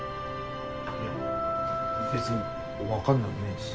いやべつにわかんなくねぇし。